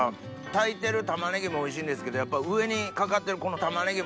炊いてるたまねぎもおいしいんですけどやっぱ上にかかってるこのたまねぎ